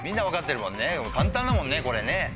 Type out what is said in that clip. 簡単だもんこれね。